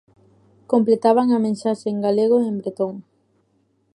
Completaban a mensaxe en galego e en bretón.